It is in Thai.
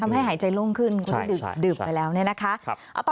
ทำให้หายใจล่มขึ้นดื่มไปแล้วเนี่ยนะคะ